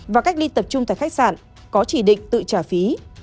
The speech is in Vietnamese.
và cách ly tập trung tại khách sạn có chỉ định tự trả phí